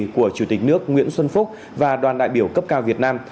của chủ tịch nước nguyễn xuân phúc và đoàn đại biểu cấp cao việt nam